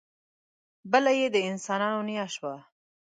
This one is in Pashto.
بله یې د انسانانو نیا شوه.